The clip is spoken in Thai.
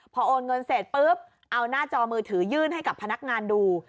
พอโอนเงินเสร็จปุ๊บเอาหน้าจอมือถือยื่นให้กับพนักงานดู